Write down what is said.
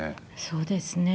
そうですね。